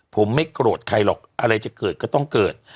ผมไม่โกรธใครหรอกอะไรจะเกิดก็ต้องเกิด